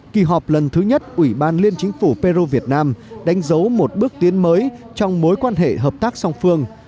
kỳ họp lần thứ nhất ủy ban liên chính phủ peru việt nam đánh dấu một bước tiến mới trong mối quan hệ hợp tác song phương